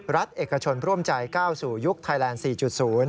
รัฐเอกชนร่วมใจก้าวสู่ยุคไทยแลนด์๔๐